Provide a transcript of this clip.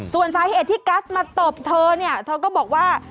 ส่วนสาเหตุที่กัสมาตบเธอเนี่ยเธอก็บอกว่า